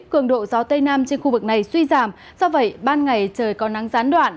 cường độ gió tây nam trên khu vực này suy giảm do vậy ban ngày trời có nắng gián đoạn